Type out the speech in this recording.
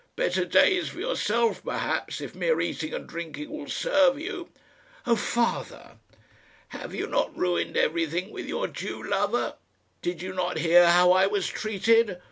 Better days for yourself, perhaps, if mere eating and drinking will serve you." "Oh, father!" "Have you not ruined everything with your Jew lover? Did you not hear how I was treated?